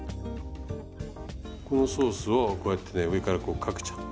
このソースをこうやってね上からこうかけちゃう。